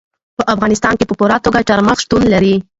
په افغانستان کې په پوره توګه چار مغز شتون لري.